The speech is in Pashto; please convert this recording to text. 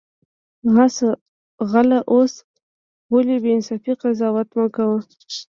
غل اوسه ولی بی انصافی قضاوت مکوه